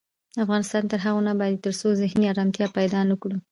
افغانستان تر هغو نه ابادیږي، ترڅو ذهني ارامتیا پیدا نکړو.